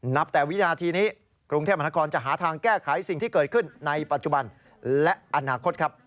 แต่วินาทีนี้กรุงเทพมหานครจะหาทางแก้ไขสิ่งที่เกิดขึ้นในปัจจุบันและอนาคตครับ